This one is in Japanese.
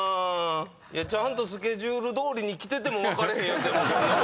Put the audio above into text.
ちゃんとスケジュールどおりに来てても分かれへんやつや。